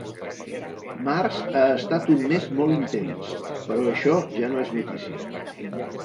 Març ha estat un mes molt intens, però això ja no és notícia.